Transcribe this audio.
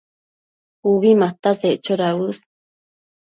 Ubi mataseccho dauës